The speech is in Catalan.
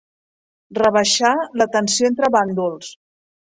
Rebaixar la tensió entre bàndols.